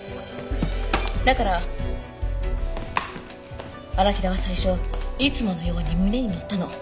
だから荒木田は最初いつものように胸に乗ったの。